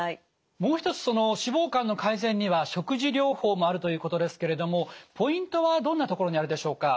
もう一つ脂肪肝の改善には食事療法もあるということですけれどもポイントはどんなところにあるでしょうか？